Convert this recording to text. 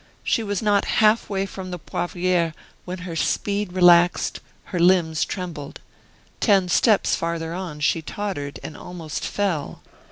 She was not half way from the Poivriere when her speed relaxed, her limbs trembled. Ten steps farther on she tottered and almost fell.